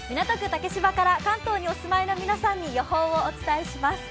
竹芝から関東にお住まいの皆さんに予報をお伝えします。